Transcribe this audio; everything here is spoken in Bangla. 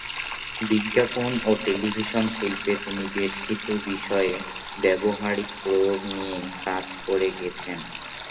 বিজ্ঞাপন ও টেলিভিশন শিল্পে তিনি বেশকিছু বিষয়ে ব্যবহারিক প্রয়োগ নিয়ে কাজ করে গেছেন।